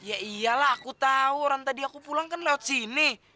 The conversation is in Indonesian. ya iyalah aku tahu orang tadi aku pulang kan lewat sini